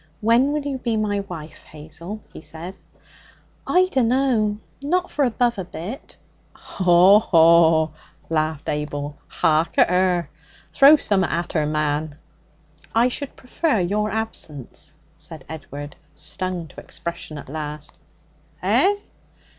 'When will you be my wife, Hazel?' he said. 'I dunno. Not for above a bit.' 'Haw! haw!' laughed Abel. 'Hark at her! Throw summat at er', man!' 'I should prefer your absence,' said Edward, stung to expression at last. 'Eh?'